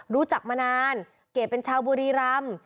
รู้จักมานานเกดเป็นชาวบุรีรำ